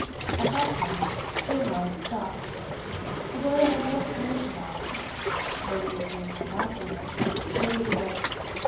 At that time, the allowance stopped; the lawyer had no explanation to offer; nobody came to look after her; nobody wrote.